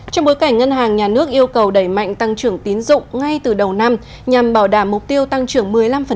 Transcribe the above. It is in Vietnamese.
trong bối cảnh ngân hàng nhà nước yêu cầu đẩy mạnh tăng trưởng tín dụng ngay từ đầu năm nhằm bảo đảm mục tiêu tăng trưởng một mươi năm